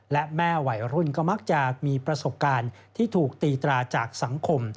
และแม่วัยรุ่นก็มักจะมีประสบการณ์ที่ถูกตีตราจากสังคม